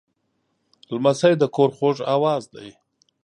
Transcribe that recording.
لمسی د کور خوږ آواز دی.